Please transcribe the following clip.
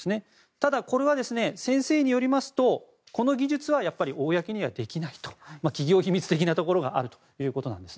ただ、先生によりますとこの技術は、やっぱり公にはできない企業秘密的なところがあるということです。